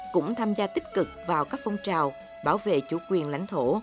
cũng tham gia tích cực vào các phong trào bảo vệ chủ quyền lãnh thổ